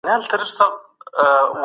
د غلا تعویذ